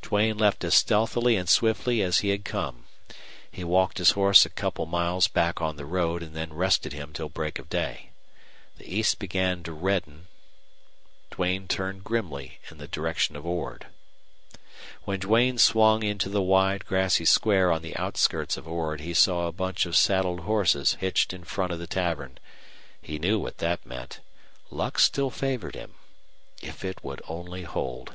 Duane left as stealthily and swiftly as he had come. He walked his horse a couple miles back on the road and then rested him till break of day. The east began to redden, Duane turned grimly in the direction of Ord. When Duane swung into the wide, grassy square on the outskirts of Ord he saw a bunch of saddled horses hitched in front of the tavern. He knew what that meant. Luck still favored him. If it would only hold!